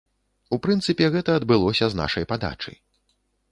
У прынцыпе, гэта адбылося з нашай падачы.